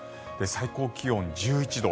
最高気温、１１度。